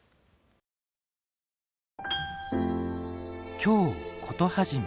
「京コトはじめ」